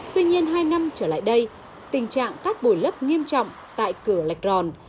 tuy nhiên hai năm trở lại đây tình trạng cát bồi lấp nghiêm trọng tại cửa lạch ròn